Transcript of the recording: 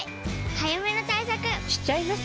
早めの対策しちゃいます。